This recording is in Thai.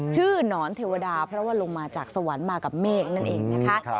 หนอนเทวดาเพราะว่าลงมาจากสวรรค์มากับเมฆนั่นเองนะคะ